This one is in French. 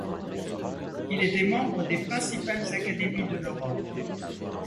Il était membre des principales académies de l’Europe.